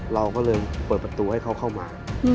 เราก็เลยเปิดประตูให้เขาเข้ามา